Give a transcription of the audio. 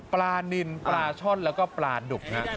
ปลานินปลาช่อนแล้วก็ปลาดุกฮะ